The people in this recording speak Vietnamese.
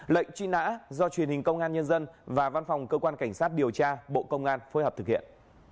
lệnh truy nã do truyền hình công an nhân dân và văn phòng cơ quan cảnh sát điều tra bộ công an phối hợp thực hiện